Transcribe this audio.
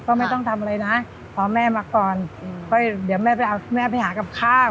ก็ไม่ต้องทำอะไรนะขอแม่มาก่อนค่อยเดี๋ยวแม่ไปเอาแม่ไปหากับข้าว